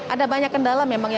ada banyak kendala memang